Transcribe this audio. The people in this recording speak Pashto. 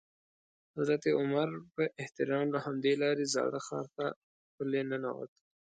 حضرت عمر په احترام له همدې لارې زاړه ښار ته پلی ننوت.